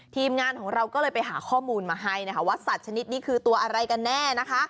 ทีมงานของเราก็เลยไปหาข้อมูลมาให้นะคะว่าสัตว์ชนิดนี้คือตัวอะไรกันแน่นะคะ